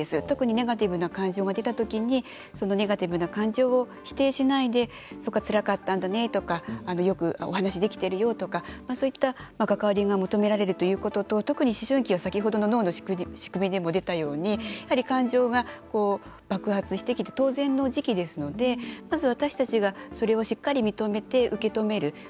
特にネガティブな感情が出たときそのネガティブな感情を否定しないでそっか、つらかったんだねとかよくお話できてるよとかそういった関わりが求められるということと特に思春期は、先ほどの脳の仕組みでも出たように感情が爆発してきて当然の時期ですのでまず、私たちがそれをしっかり認めて受け止める。